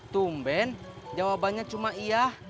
tumben jawabannya cuma iya